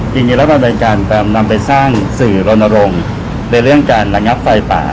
อย่างนี้รับรับรายการนำไปสร้างสื่อโรนโรงในเรื่องการระงับไฟป่า